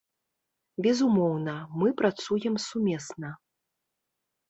Безумоўна, мы працуем сумесна.